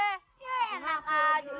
ya enak aja